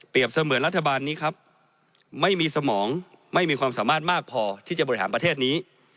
เสมือนรัฐบาลนี้ครับไม่มีสมองไม่มีความสามารถมากพอที่จะบริหารประเทศนี้